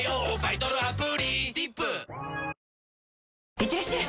いってらっしゃい！